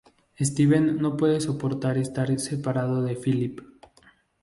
Steven no puede soportar estar separado de Phillip.